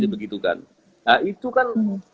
dibegitukan nah itu kan